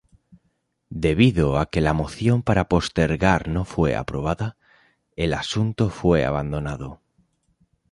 Debido a que la moción para postergar no fue aprobada, el asunto fue abandonado.